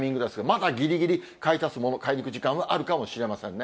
まだぎりぎり買い足すもの、買いに行く時間はあるかもしれませんね。